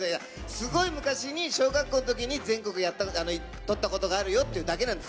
すごい昔に小学校の時に全国行った、とったことがあるよってだけです。